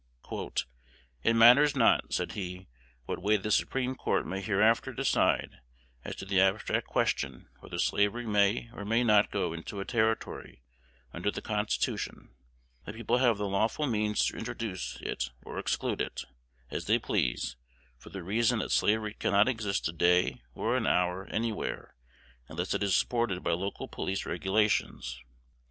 "It matters not," said he, "what way the Supreme Court may hereafter decide as to the abstract question whether slavery may or may not go into a Territory under the Constitution: the people have the lawful means to introduce it or exclude it, as they please, for the reason that slavery cannot exist a day or an hour anywhere, unless it is supported by local police regulations.